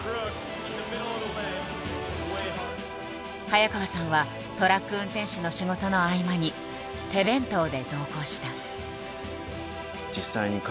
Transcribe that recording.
早川さんはトラック運転手の仕事の合間に手弁当で同行した。